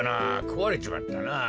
こわれちまったなぁ。